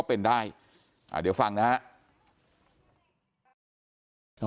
ก็คุณตามมาอยู่กรงกีฬาดครับ